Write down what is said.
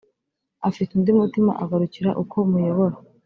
Afite undi mutima agakurikira uko muyobora